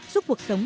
giúp cuộc sống